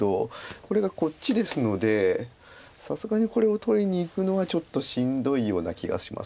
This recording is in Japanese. これがこっちですのでさすがにこれを取りにいくのはちょっとしんどいような気がします。